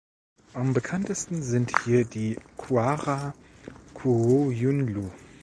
Am bekanntesten sind hier die Qara Qoyunlu.